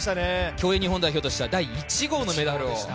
競泳日本代表としては第１号のメダルを。